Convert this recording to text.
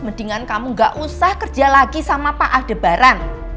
kepentingan kamu nggak usah kerja lagi sama pak aldebaran